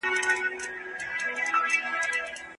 وروڼو يوسف عليه السلام په دوکه بوتلی.